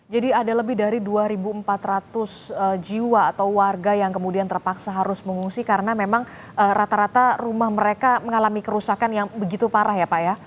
jadi ada lebih dari dua empat ratus jiwa atau warga yang kemudian terpaksa harus pengungsi karena memang rata rata rumah mereka mengalami kerusakan yang begitu parah ya pak ya